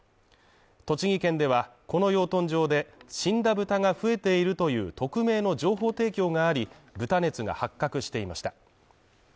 栃木県では、この養豚場で死んだ豚が増えているという匿名の情報提供があり豚熱が発覚していました。